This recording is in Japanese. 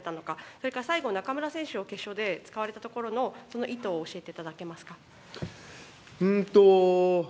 それから最後、中村選手を決勝で使われたところのその意図を教えていただけます